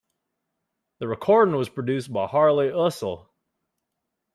The recording was produced by Harley Usill.